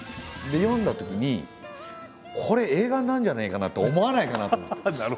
読んだときにこれ映画になるんじゃねえかなと思わないかなと思って。